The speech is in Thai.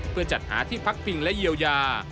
เพื่อจัดหาที่พักพิงและเยียวยา